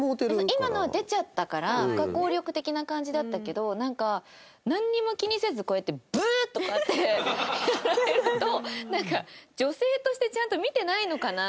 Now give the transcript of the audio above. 今のは出ちゃったから不可抗力的な感じだったけどなんにも気にせずこうやってブッ！とかってやられるとなんか女性としてちゃんと見てないのかな？